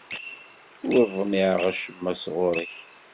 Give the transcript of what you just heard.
Ur ḍmiɛeɣ acemma sɣur-k.